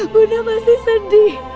bunda pasti sedih